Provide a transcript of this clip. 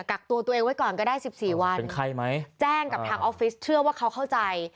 กักตัวตัวเองไว้ก่อนก็ได้๑๔วันแจ้งกับทางออฟฟิศเชื่อว่าเขาเข้าใจ